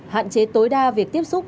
hạn chế tối đa việc tiếp xúc